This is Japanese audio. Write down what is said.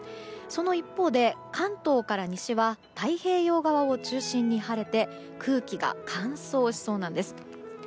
その一方で、関東から西は太平洋側を中心に晴れて空気が乾燥しそうなんです。